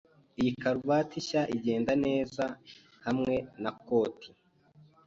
Iyi karuvati nshya igenda neza hamwe na koti.